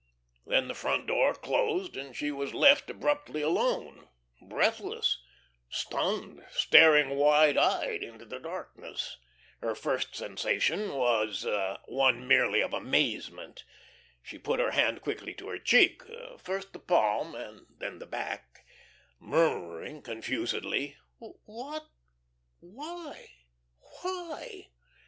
Then the front door closed, and she was left abruptly alone, breathless, stunned, staring wide eyed into the darkness. Her first sensation was one merely of amazement. She put her hand quickly to her cheek, first the palm and then the back, murmuring confusedly: "What? Why? why?"